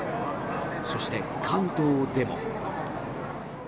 そして関東でも。